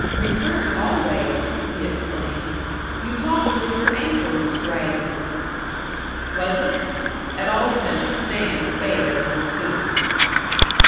"Return always!" he exclaimed. "You talk as if your anchor was dragging." Was it? At all events, Sam failed in his suit.